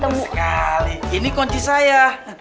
terima kasih sekali ini kunci saya